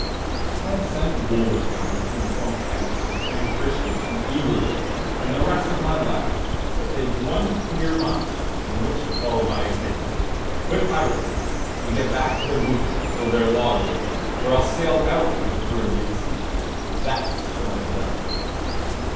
"I have sent Wolverstone to inform Hagthorpe and Christian and Yberville and the rest of my lads that they've one clear month in which to follow my example, quit piracy, and get back to their boucans or their logwood, or else sail out of the Caribbean Sea. That's what I've done."